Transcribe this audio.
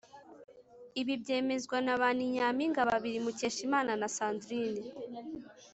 ibi byemezwa na ba ni nyampinga babiri mukeshimana na sandrine,